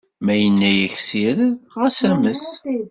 Ma yenna-yak ssired, xas ames.